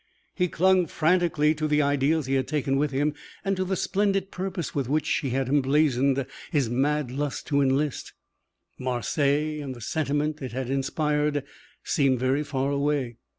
He clung frantically to the ideals he had taken with him and to the splendid purpose with which he had emblazoned his mad lust to enlist. Marseilles and the sentiment it had inspired seemed very far away.